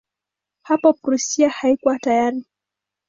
Hapo Prussia haikuwa tayari.